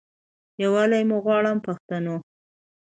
یووالی مو غواړم پښتنو.